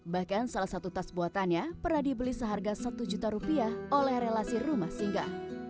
bahkan salah satu tas buatannya pernah dibeli seharga satu juta rupiah oleh relasi rumah singga